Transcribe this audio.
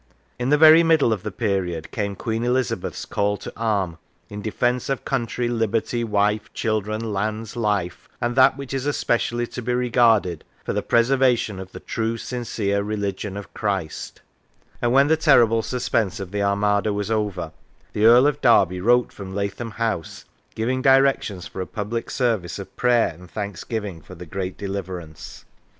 In the very middle of the period came Queen Eliza beth's call to arm " in defence of country, liberty, wife, children, lands, life, and that which is especially to be regarded, for the preservation of the true, sincere Religion of Christ "; and when the terrible suspense of the Armada was over, the Earl of Derby wrote from Lathom House, giving directions for a public service of prayer and thanksgiving for the great deliverance.